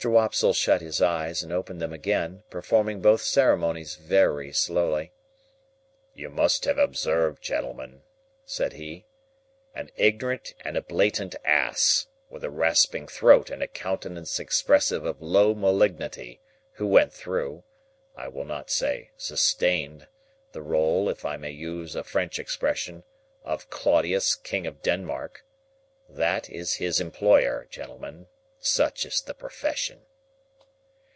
Wopsle shut his eyes, and opened them again; performing both ceremonies very slowly. "You must have observed, gentlemen," said he, "an ignorant and a blatant ass, with a rasping throat and a countenance expressive of low malignity, who went through—I will not say sustained—the rôle (if I may use a French expression) of Claudius, King of Denmark. That is his employer, gentlemen. Such is the profession!"